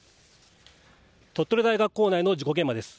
鳥取大学構内の事故現場です。